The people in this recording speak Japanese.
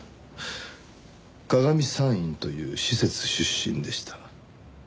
鏡見産院という施設出身でした。